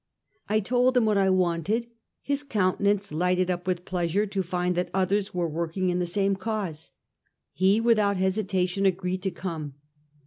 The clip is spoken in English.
I told him what I wanted; his countenance lighted up with pleasure to find that others were working in the same cause. He without hesitation agreed to come.